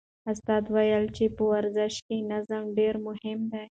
استاد وویل چې په ورزش کې نظم ډېر مهم دی.